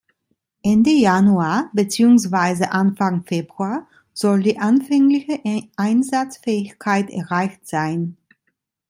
Ende Januar beziehungsweise Anfang Februar soll die anfängliche Einsatzfähigkeit erreicht sein.